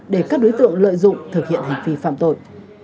để các đối tượng lợi dụng thực hiện hành vi phạm tội